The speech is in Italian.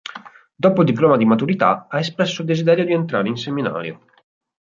Dopo il diploma di maturità ha espresso il desiderio di entrare in seminario.